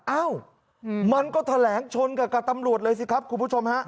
เอ้ามันก็แถลงชนกับกับตำรวจเลยสิครับคุณผู้ชมฮะ